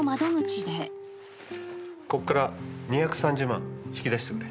こっから２３０万引き出してくれ。